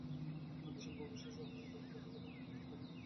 বিশাল office নিয়ে সরকারের টাকা অপচয় করা ছাড়া কিছুই করেনি কমিশন।